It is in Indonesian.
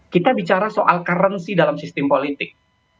kita bicara soal currency dalam sistem politik